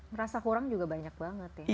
merasa kurang juga banyak banget ya